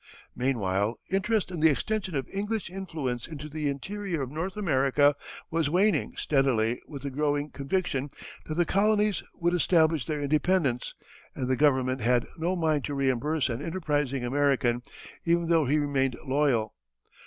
Meanwhile interest in the extension of English influence into the interior of North America was waning steadily with the growing conviction that the colonies would establish their independence, and the Government had no mind to reimburse an enterprising American, even though he remained loyal.